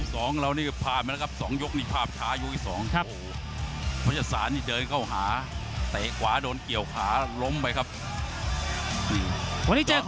สายตาคอยดูคือมีการพัฒนา